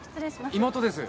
妹です。